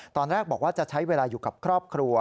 ตอนแรกบอกว่าจะใช้เวลาอยู่กับครอบครัว